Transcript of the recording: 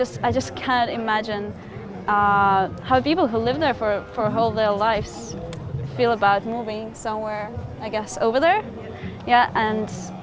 terutama jika kamu mengambil mereka dari pekerjaan